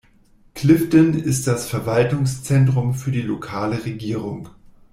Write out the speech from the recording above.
Clifden ist das Verwaltungszentrum für die lokale Regierung.